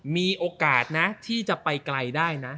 มีโอกาสนะที่จะไปไกลได้นะ